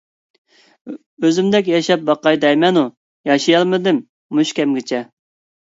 ئۆزۈمدەك ياشاپ باقاي دەيمەنۇ، ياشىيالمىدىم مۇشۇ كەمگىچە.